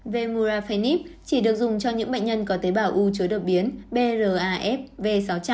vemurafenib chỉ được dùng cho những bệnh nhân có tế bào u chối đột biến braf v sáu trăm linh